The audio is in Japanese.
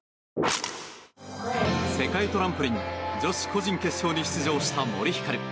世界トランポリン女子個人決勝に出場した森ひかる。